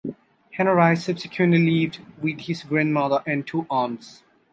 Henries subsequently lived with his grandmother and two aunts.